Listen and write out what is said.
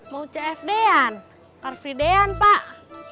mau cfd an karfi d an pak